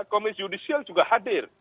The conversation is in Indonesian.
komisi judicial juga hadir